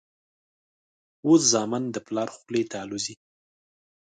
اوس زامن د پلار خولې ته الوزي.